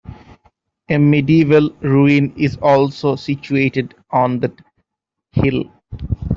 A medieval ruin is also situated on that hill.